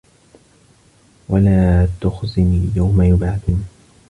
وَلا تُخزِني يَومَ يُبعَثونَ